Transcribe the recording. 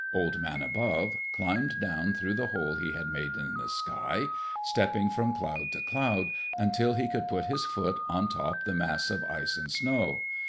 Old Man Above climbed down through the hole he had made in the sky, stepping from cloud to cloud, until he could put his foot on top the mass of ice and snow.